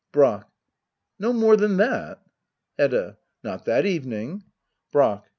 Brack. No more than that ? Hedda. Not that evening. Brack.